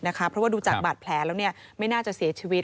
เพราะว่าดูจากบาดแผลแล้วไม่น่าจะเสียชีวิต